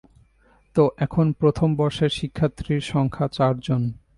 তো, এখন প্রথম বর্ষের শিক্ষার্থীর সংখ্যা চারজন।